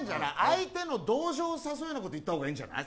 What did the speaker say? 相手の同情を誘うようなこと言った方がいいんじゃない？